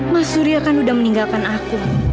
mas surya kan udah meninggalkan aku